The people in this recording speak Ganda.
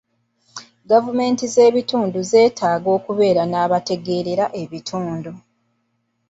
Gavumenti z’ebitundu zeetaaga okubeera n’abategekera ebitundu.